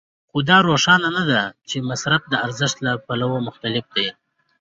خو دا روښانه ده چې مصرف د ارزښت له پلوه مختلف دی